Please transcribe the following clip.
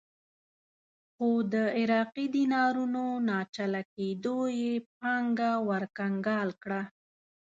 خو د عراقي دینارونو ناچله کېدو یې پانګه ورکنګال کړه.